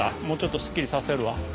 もうちょっとすっきりさせるわ。